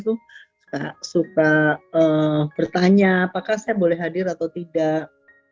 itu suka bertanya apakah saya boleh hadir atau tidak